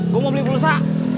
gue mau beli pulsa